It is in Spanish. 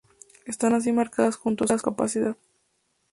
Están así marcadas junto a su capacidad.